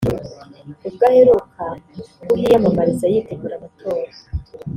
ubwo aheruka kuhiyamamariza yitegura amatora